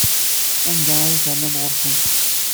Anda ay ternam ɣer-sen?